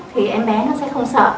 thì em bé nó sẽ không sợ